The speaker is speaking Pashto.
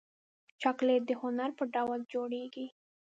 چاکلېټ د هنر په ډول جوړېږي.